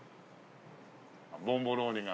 ボンボローニが。